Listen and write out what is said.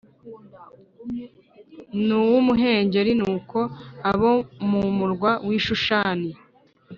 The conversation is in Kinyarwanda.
n uw umuhengeri nuko abo mu murwa w i Shushani